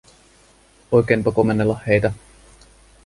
Oikeinpa komennella heitä.